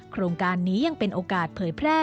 โครงการนี้ยังเป็นโอกาสเผยแพร่